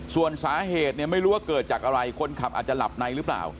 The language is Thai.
ส่วนสาเหตุเนี่ยไม่รู้ว่าเกิดจากอะไรคนขับอาจจะหลับในหรือเปล่า